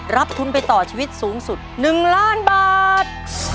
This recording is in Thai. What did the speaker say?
รับทุนไปต่อชีวิตสูงสุด๑ล้านบาท